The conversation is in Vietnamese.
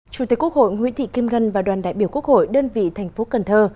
chủ tịch quốc hội nguyễn thị kim ngân và đoàn đại biểu quốc hội đơn vị thành phố cần thơ